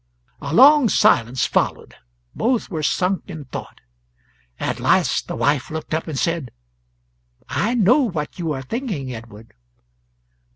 A long silence followed; both were sunk in thought. At last the wife looked up and said: "I know what you are thinking, Edward."